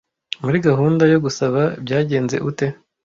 Muri gahunda yo gusaba byagenze ute